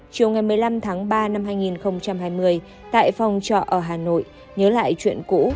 chiều ngày một mươi năm tháng ba năm hai nghìn hai mươi tại phòng trọ ở hà nội nhớ lại chuyện cũ